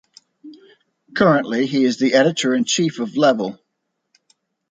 Currently he is the editor in chief of Level.